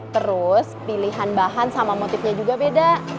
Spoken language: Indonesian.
terus pilihan bahan sama motifnya juga beda